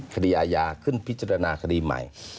คดีอาญาขึ้นพิจารณาคดีใหม่